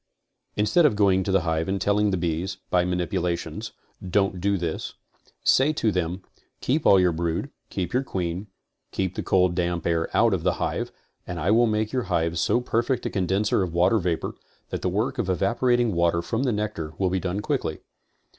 Instead of going to the hive and telling the bees (by manip ulations) 'don't do this"; say to them "keep all your brood, keep your queen, keep the cold damp air out of the hive and I will make your hive so perfect a condenser of water vapor that the work of evaporating water from the nectar will be done quickly."